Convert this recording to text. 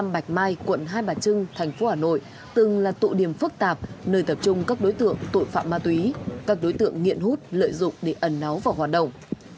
hai trăm chín mươi năm bạch mai quận hai bà trưng thành phố hà nội từng là tụ điểm phức tạp nơi tập trung các đối tượng tội phạm ma túy các đối tượng nghiện hút lợi dụng để ẩn náu vào hoạt động